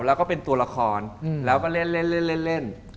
แล้วก็เป็นตัวละครแล้วก็เล่น